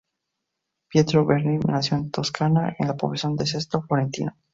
Pietro Bernini nació en la Toscana, en la población de Sesto Fiorentino.